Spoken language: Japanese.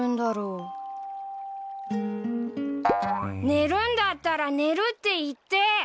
寝るんだったら「寝る」って言って！